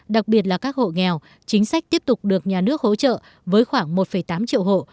đặc biệt là các hộ nghèo chính sách tiếp tục được nhà nước hỗ trợ với khoảng một tám triệu hộ